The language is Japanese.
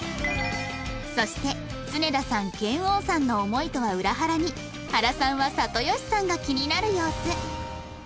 そして常田さん拳王さんの思いとは裏腹に原さんは里吉さんが気になる様子